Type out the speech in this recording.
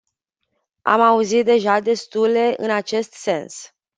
Am auzit deja destule în acest sens.